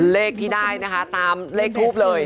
เลขที่ได้นะคะตามเลขทูปเลย